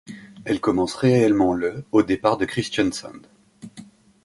Elle commence réellement le au départ de Kristiansand.